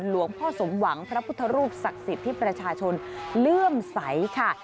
หลวงพ่อสมหวังพระพุทธรูปศักดิ์สิทธิ์ที่ประชาชนเลื่อมใสค่ะ